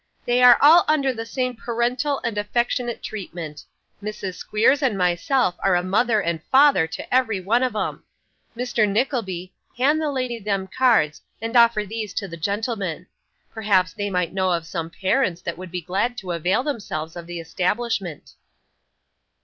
'They are all under the same parental and affectionate treatment. Mrs. Squeers and myself are a mother and father to every one of 'em. Mr. Nickleby, hand the lady them cards, and offer these to the gentleman. Perhaps they might know of some parents that would be glad to avail themselves of the establishment.